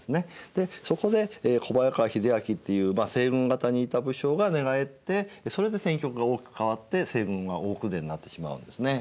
でそこで小早川秀秋っていうまあ西軍方にいた武将が寝返ってそれで戦局が大きく変わって西軍は大崩れになってしまうんですね。